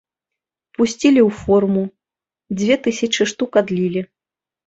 Пусцілі ў форму, дзве тысячы штук адлілі.